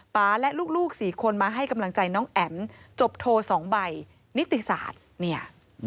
และลูกสี่คนมาให้กำลังใจน้องแอ๋มจบโทร๒ใบนิติศาสตร์เนี่ย